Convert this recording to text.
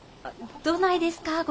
どないですか？